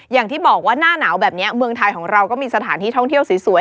อย่างที่บอกว่าหน้าหนาวแบบนี้เมืองไทยของเราก็มีสถานที่ท่องเที่ยวสวย